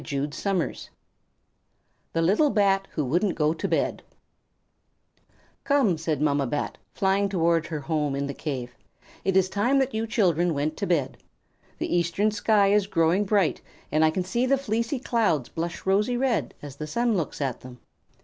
THE LITTLE BAT WHO WOULDN'T GO TO BED "Come," said Mamma Bat, flying toward her home in the cave, "it is time that you children went to bed. The eastern sky is growing bright, and I can see the fleecy clouds blush rosy red as the sun looks at them."